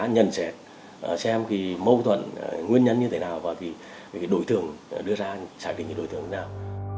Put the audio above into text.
nhận xét xem cái mâu thuẫn nguyên nhân như thế nào và cái đối tượng đưa ra xác định cái đối tượng như thế nào